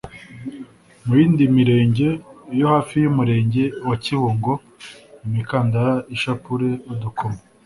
mu yindi mirenge yo hafi y umurenge wa kibungo imikandara ishapule udukomo